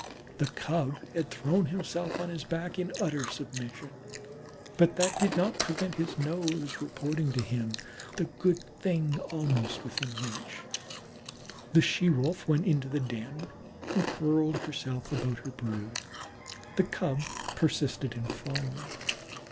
The Cub had thrown himself on his back in utter submission, but that did not prevent his nose reporting to him the good thing almost within reach. The She wolf went into the den and curled herself about her brood; the Cub persisted in following.